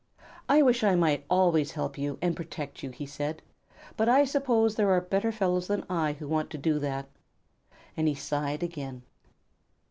"I wish I might always help you and protect you," he said; "but I suppose there are better fellows than I who want to do that." And he sighed again.